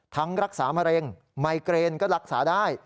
รักษามะเร็งไมเกรนก็รักษาได้